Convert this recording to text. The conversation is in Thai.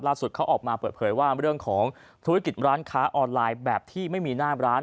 เขาออกมาเปิดเผยว่าเรื่องของธุรกิจร้านค้าออนไลน์แบบที่ไม่มีหน้าร้าน